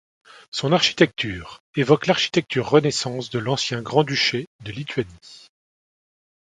Son architecture évoque l'architecture Renaissance de l'ancien grand-duché de Lituanie.